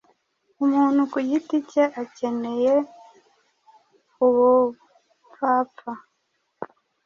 Umuntu ku giti cye akeneye ubupfapfa,